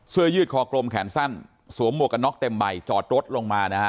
ยืดคอกลมแขนสั้นสวมหมวกกันน็อกเต็มใบจอดรถลงมานะฮะ